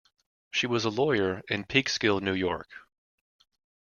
She was a lawyer in Peekskill, New York.